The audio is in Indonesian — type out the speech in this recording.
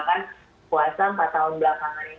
mungkin sekarang sih udah paling enakan karena spring